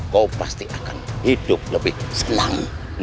kau pasti akan hidup lebih senang